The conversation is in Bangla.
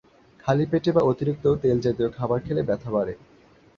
খালি পেটে বা অতিরিক্ত তেল জাতীয় খাবার খেলে ব্যাথা বাড়ে।